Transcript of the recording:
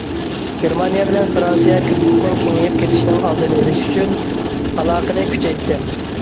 گېرمانىيە بىلەن فىرانسىيە كىرىزىسنىڭ كېڭىيىپ كېتىشىنىڭ ئالدىنى ئېلىش ئۈچۈن، ئالاقىنى كۈچەيتتى.